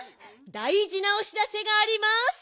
だいじなおしらせがあります。